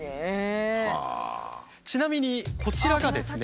ちなみにこちらがですね